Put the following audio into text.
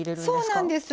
そうなんです。